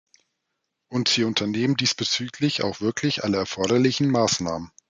Und sie unternehmen diesbezüglich auch wirklich alle erforderlichen Maßnahmen.